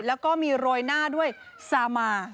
แล้วก็มีโรยหน้าด้วยซามา